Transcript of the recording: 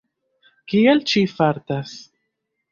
Kiel ŝi fartas?